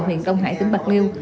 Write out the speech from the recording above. huyện đông hải tỉnh bạc liêu